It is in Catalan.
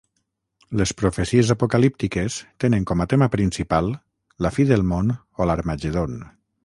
Les profecies apocalíptiques tenen com a tema principal la fi del món o l'Harmagedon.